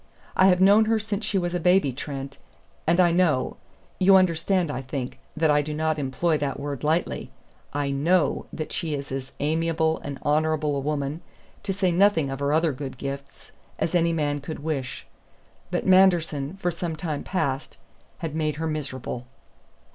I have known her since she was a baby, Trent, and I know you understand, I think, that I do not employ that word lightly I know that she is as amiable and honorable a woman, to say nothing of her other good gifts, as any man could wish. But Manderson, for some time past, had made her miserable."